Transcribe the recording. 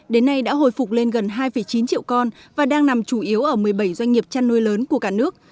đến nay đã hồi phục lên gần hai chín triệu con và đang nằm chủ yếu ở một mươi bảy doanh nghiệp chăn nuôi lớn của cả nước